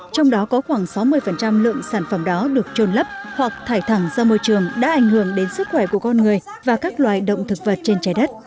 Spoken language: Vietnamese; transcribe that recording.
trong đó có khoảng sáu mươi lượng sản phẩm đó được trôn lấp hoặc thải thẳng ra môi trường đã ảnh hưởng đến sức khỏe của con người và các loài động thực vật trên trái đất